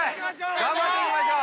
頑張っていきましょう。